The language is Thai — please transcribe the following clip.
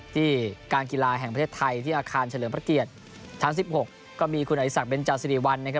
การกีฬาแห่งประเทศไทยที่อาคารเฉลิมพระเกียรติชั้น๑๖ก็มีคุณอริสักเบนจาสิริวัลนะครับ